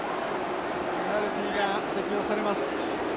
ペナルティーが適用されます。